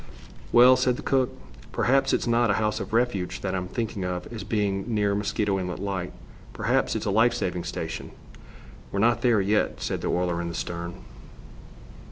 "Well," said the cook, "perhaps it's not a house of refuge that I'm thinking of as being near Mosquito Inlet Light. Perhaps it's a life saving station." "We're not there yet," said the oiler, in the stern.